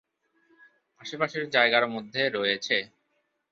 আশেপাশের জায়গার মধ্যে রয়েছে